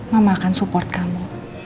mama akan support kamu